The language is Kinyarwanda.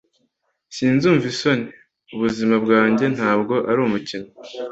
sinzumva isoni; ubuzima bwanjye ntabwo ari umukino